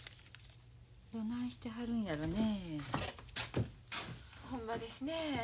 どないしてはるんやろねえ。ほんまですねえ。